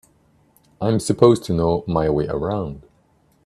I'm supposed to know my way around.